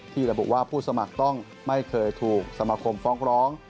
ระบุว่าผู้สมัครต้องไม่เคยถูกสมาคมฟ้องร้อง